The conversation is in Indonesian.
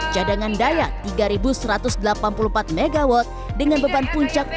jadangan daya tiga satu ratus delapan puluh empat mw dengan beban puncak lima lima ratus lima puluh mw